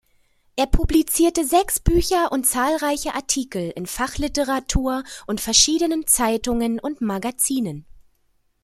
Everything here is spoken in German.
Er publizierte sechs Bücher und zahlreiche Artikel in Fachliteratur und verschiedenen Zeitungen und Magazinen.